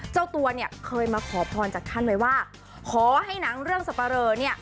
เจ้าตัวเนี่ยเคยมาขอพรจากท่านไว้ว่าขอให้หนังเรื่องสับปะเรอเนี่ย